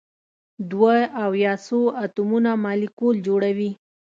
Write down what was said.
دوه او یا څو اتومونه مالیکول جوړوي.